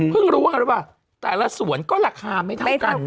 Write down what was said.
เพิ่งร่วงหรือเปล่าแต่ละส่วนก็ราคาไม่เท่ากัน